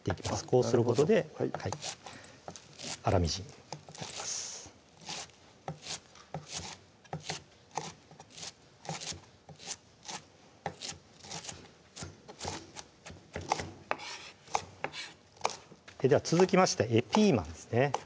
こうすることで粗みじんになります続きましてピーマンですね